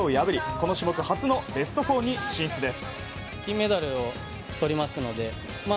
この種目初のベスト４に進出です。